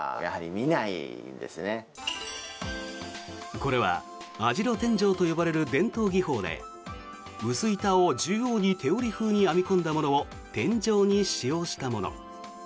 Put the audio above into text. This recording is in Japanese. これは網代天井と呼ばれる伝統技法で薄板を縦横に手織り風に編み込んだものを天井に使用したもの。